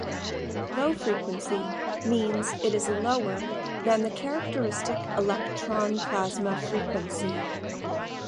Low-frequency means it is lower than the characteristic electron plasma frequency.